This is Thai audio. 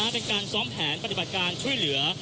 เป็นการซ้อมแผนปฏิบัติการช่วยเหลือ